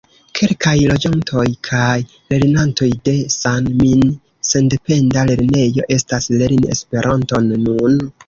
Kelkaj loĝantoj kaj lernantoj de San-Min sendependa lernejo estas lerni Esperanton nun.